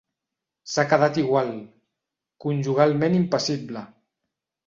S'ha quedat igual, conjugalment impassible.